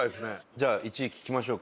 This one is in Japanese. じゃあ１位聞きましょうか。